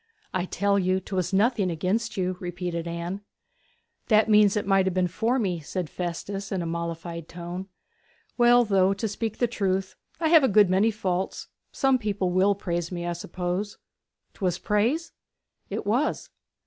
'I tell you 'twas nothing against you,' repeated Anne. 'That means it might have been for me,' said Festus, in a mollified tone. 'Well, though, to speak the truth, I have a good many faults, some people will praise me, I suppose. 'Twas praise?' 'It was.'